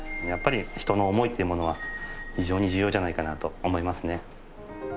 やっぱり人の思いっていうものは非常に重要じゃないかなと思いますね。